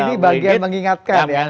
jadi ini bagian mengingatkan ya